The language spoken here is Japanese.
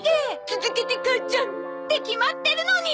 続けて母ちゃん。って決まってるのに！